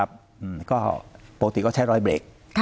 ก็ปกติก็ใช้รอยเบรก